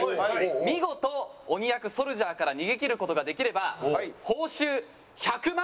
見事鬼役・ソルジャーから逃げきる事ができれば報酬１００万！